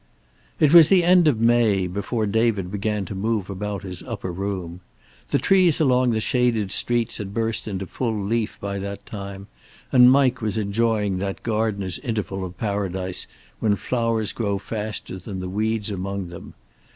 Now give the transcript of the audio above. It was the end of May before David began to move about his upper room. The trees along the shaded streets had burst into full leaf by that time, and Mike was enjoying that gardener's interval of paradise when flowers grow faster than the weeds among them.